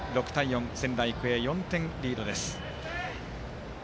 仙台育英、４点リードです。